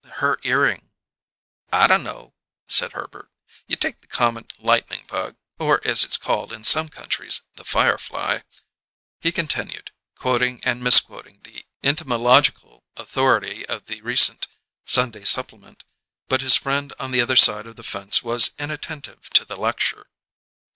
"Her earring." "I d' know," said Herbert. "You take the common lightning bug or, as it's called in some countries, the firefly " He continued, quoting and misquoting the entomological authority of the recent "Sunday Supplement"; but his friend on the other side of the fence was inattentive to the lecture.